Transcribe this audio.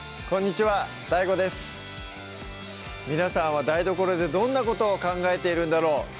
こんにちはＤＡＩＧＯです皆さんは台所でどんなことを考えているんだろう